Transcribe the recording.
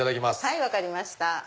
はい分かりました。